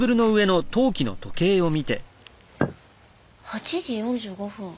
８時４５分。